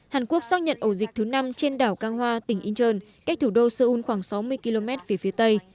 hàn quốc xác nhận ổ dịch thứ năm trên đảo cang hoa tỉnh incheon cách thủ đô seoul khoảng sáu mươi km phía phía tây